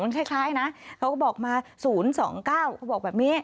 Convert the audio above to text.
เขาก็บอกมา๐๒๙เขาบอกแบบนี้